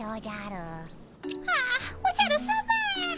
あっおじゃるさま。